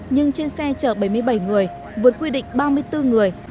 nhưng trên xe chở bảy mươi bảy người vượt quy định ba mươi bốn người